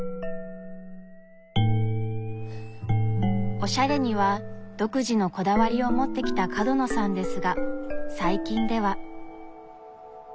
おしゃれには独自のこだわりを持ってきた角野さんですが最近では。